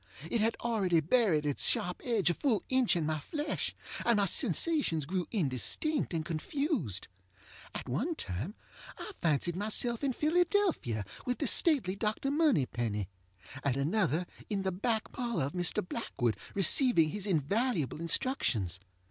It had already buried its sharp edge a full inch in my flesh, and my sensations grew indistinct and confused. At one time I fancied myself in Philadelphia with the stately Dr. Moneypenny, at another in the back parlor of Mr. Blackwood receiving his invaluable instructions.